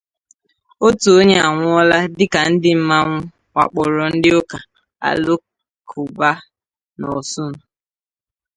Otu Onye Anwụọla Dịka Ndị Mmanwụ Wakpòrò Ndị Ụka Alakụba n'Osun